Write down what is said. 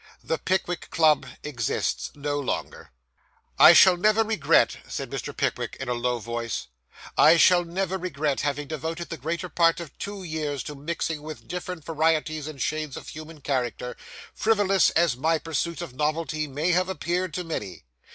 The Pickwick Club exists no longer. 'I shall never regret,' said Mr. Pickwick in a low voice, 'I shall never regret having devoted the greater part of two years to mixing with different varieties and shades of human character, frivolous as my pursuit of novelty may have appeared to many.